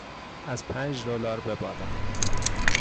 از پنچ دلار به بالا